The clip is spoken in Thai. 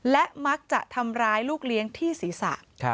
และมักจะทำร้ายลูกเลี้ยงที่ศีรษะ